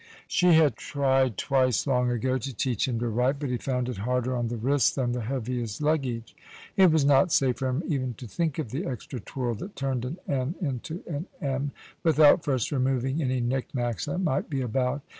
She had tried twice long ago to teach him to write, but he found it harder on the wrists than the heaviest luggage. It was not safe for him even to think of the extra twirl that turned an n into an m, without first removing any knick knacks that might be about.